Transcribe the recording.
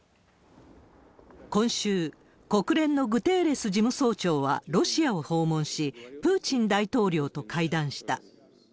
今週、国連のグテーレス事務総長はロシアを訪問し、プーチン大統領と会談した。